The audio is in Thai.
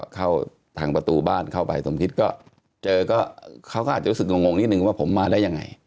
เข้าถางประตูบ้านเข้าไปทมชิดเขาก็เจอก็ขนาดจะรู้สึกขนวงขึ้นว่าผมหมาได้ยังไง